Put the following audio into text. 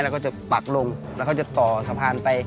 แล้วก็จะปักลงแล้วเขาจะต่อสะพานไป